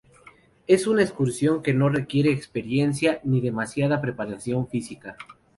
Es una excursión que no requiere experiencia ni demasiada preparación física.